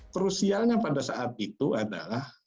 krusialnya pada saat itu adalah